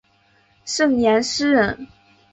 盛彦师人。